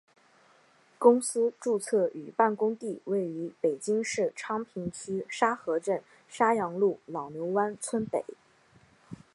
公司注册与办公地位于北京市昌平区沙河镇沙阳路老牛湾村北。